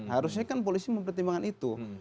harusnya kan polisi mempertimbangkan itu